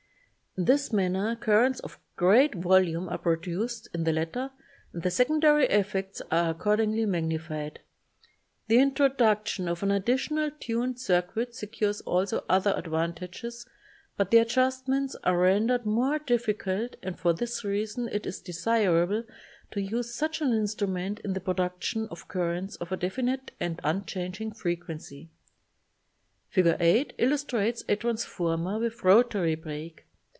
In this manner" currents of great volume are produced in the latter and the secondary effects are accordingly magnified. The in troduction of an additional tuned circuit secures also other advantages but the ad justments are rendered more difficult and for this reason it is desirable to use such an instrument in the production of currents of a definite and unchanging frequency. Fig. 8 illustrates a transformer with rotary break.